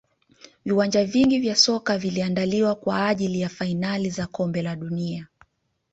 viwanja vingi vya soka viliandaliwa kwa ajili ya fainali za kombe la dunia